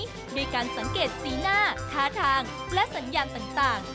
ด้วยการสังเกตสีหน้าท้าทางและสัญญาณต่าง